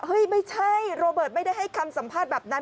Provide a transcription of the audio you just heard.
ไม่ใช่โรเบิร์ตไม่ได้ให้คำสัมภาษณ์แบบนั้น